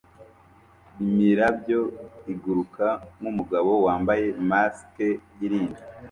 Imirabyo iguruka nkumugabo wambaye mask irinda